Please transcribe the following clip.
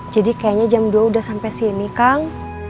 jadi kayaknya jam dua udah sampe sini kang